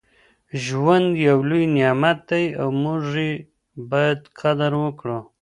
ژوند یو لوی نعمت دی او موږ یې باید قدر وکړو.